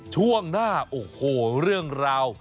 ช่วงหน้าโอ้โหเรื่องราว